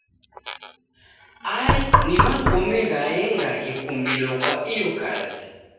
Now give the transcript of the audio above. Ai ni magome ghaenga ghikumbilo kwa iyo kazi.